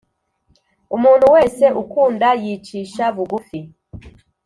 umuntu wese ukunda yicisha bugufi